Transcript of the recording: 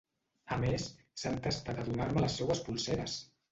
A més, s'ha entestat a donar-me les seues polseres!